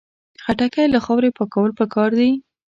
خټکی له خاورې پاکول پکار دي.